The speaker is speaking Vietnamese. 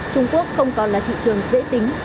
trung quốc không còn là thị trường dễ tính